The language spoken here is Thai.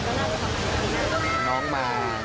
จากที่เราเคยแพลนกันนะคะก็น่าจะทำผู้ชาย